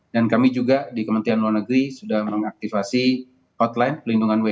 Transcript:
dan kami juga di kementerian luar negeri sudah mengaktivasi hotline pelindungan wni